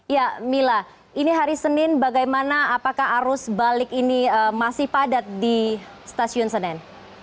ya mila ini hari senin bagaimana apakah arus balik ini masih padat di stasiun senen